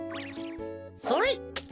それ！